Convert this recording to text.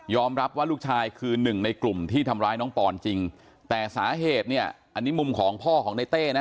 รับว่าลูกชายคือหนึ่งในกลุ่มที่ทำร้ายน้องปอนจริงแต่สาเหตุเนี่ยอันนี้มุมของพ่อของในเต้นะ